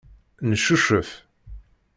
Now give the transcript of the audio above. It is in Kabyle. Neccucef.